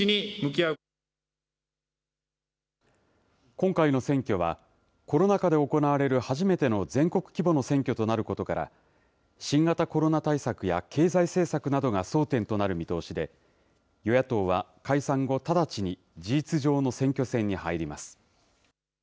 今回の選挙は、コロナ禍で行われる初めての全国規模の選挙となることから、新型コロナ対策や経済政策などが争点となる見通しで、与野党は解散後、直ちに事実上の選挙戦に入ります。